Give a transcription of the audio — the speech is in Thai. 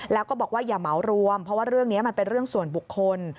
แล้วก็บอกว่าอย่าเหมารวมเพราะว่าเรื่องนี้มันเป็นเรื่องส่วนบุคคล